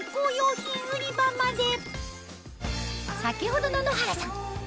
先ほどの野原さん